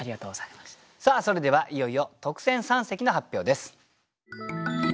さあそれではいよいよ特選三席の発表です。